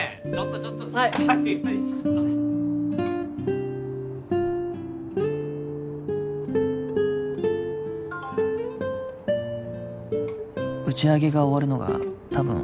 ちょっとはい「打ち上げが終わるのが多分」